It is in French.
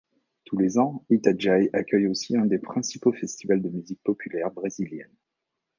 Tous les ans, Itajaí accueille aussi un des principaux festivals de musique populaire brésilienne.